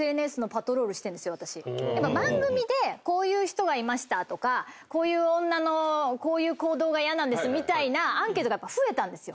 番組でこういう人がいましたとかこういう女のこういう行動が嫌なんですみたいなアンケートが増えたんですよ。